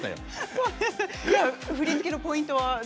振り付けのポイントは？